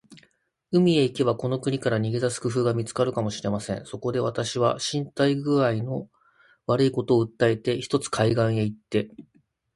海へ行けば、この国から逃げ出す工夫が見つかるかもしれません。そこで、私は身体工合の悪いことを訴えて、ひとつ海岸へ行って